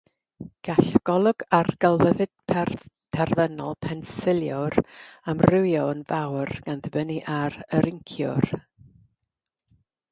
Gall y golwg ar gelfyddyd terfynol pensiliwr amrywio'n fawr gan ddibynnu ar yr inciwr.